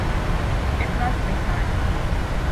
It must be signed